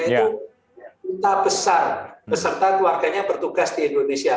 yaitu duta besar beserta keluarganya bertugas di indonesia